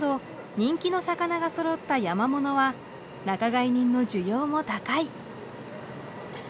人気の魚がそろった山ものは仲買人の需要も高い。